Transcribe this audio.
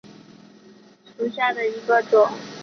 银穗草为禾本科银穗草属下的一个种。